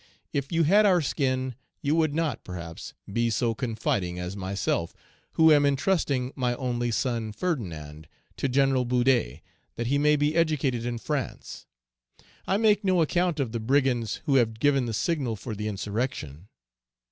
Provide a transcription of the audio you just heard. If you had our skin, you would not, perhaps, be so confiding as myself, who am intrusting my only son, Ferdinand, to General Boudet that he may be educated in France. I make no account of the brigands who have given the signal for the insurrection.